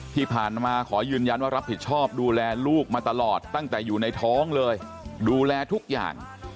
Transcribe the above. ที่ผ่านมาขอยืนยันว่ารับผิดชอบดูแลลูกมาตลอดตั้งแต่อยู่ในท้องเลยดูแลทุกอย่าง